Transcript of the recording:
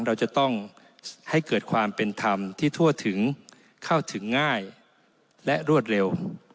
เราจะต้องให้เกิดความเป็นธรรมที่ทั่วถึงเข้าถึงง่ายและรวดเร็ว